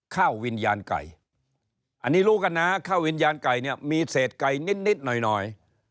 ข้าววิญญาณไก่อันนี้รู้กันน้าข้าววิญญาณไก่มีเศษไก่นิดหน่อย